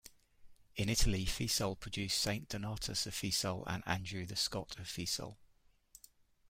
In Italy, Fiesole produced Saint Donatus of Fiesole and Andrew the Scot of Fiesole.